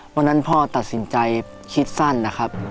วันนั้นพ่อตัดสินใจคิดสั้นนะครับ